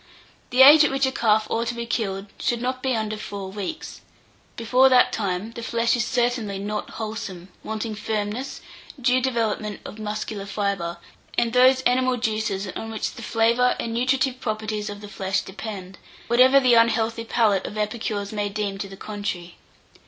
The age at which a calf ought to be killed should not be under four weeks: before that time the flesh is certainly not wholesome, wanting firmness, due development of muscular fibre, and those animal juices on which the flavour and nutritive properties of the flesh depend, whatever the unhealthy palate of epicures may deem to the contrary.